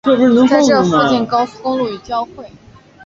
在这附近高速公路与交汇。